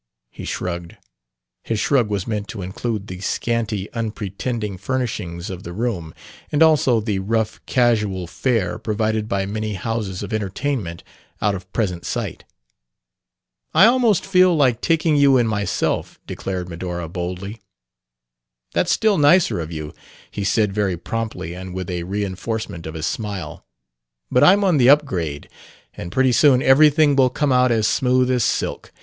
He shrugged. His shrug was meant to include the scanty, unpretending furnishings of the room, and also the rough casual fare provided by many houses of entertainment out of present sight. "I almost feel like taking you in myself," declared Medora boldly. "That's still nicer of you," he said very promptly and with a reinforcement of his smile. "But I'm on the up grade, and pretty soon everything will come out as smooth as silk.